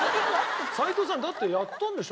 齋藤さんだってやったんでしょ？